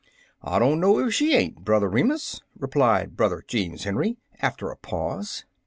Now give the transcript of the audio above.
"I don't know if she ain't, Brother Re mus," replied Brother Jeems Henry, after a pause.